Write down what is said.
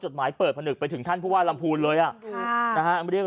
หมายเปิดผนึกไปถึงท่านผู้ว่าลำพูนเลยอ่ะค่ะนะฮะเรียก